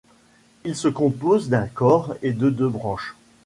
Il se compose d'un corps et de deux branches.